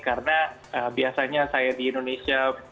karena biasanya saya di indonesia